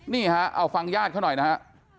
นี่ฮะเอาฟังญาติเขาหน่อยนะฮะ